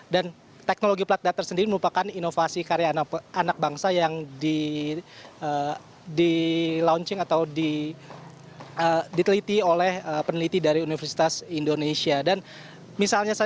teknologi plat datar sendiri merupakan inovasi karya anak bangsa yang di launching atau diteliti oleh peneliti dari universitas indonesia